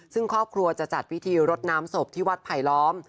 ซึ่งครอบครัวจะจัดพิธีรดน้ำศพที่วัดไผลล้อม